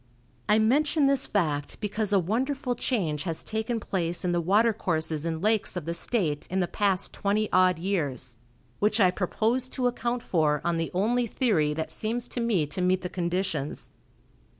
I mention this fact because a wonderful change has taken place in the watercourses and lakes of the state in the past twenty odd years, which I propose to account for on the only theory that seems to me to meet the conditions.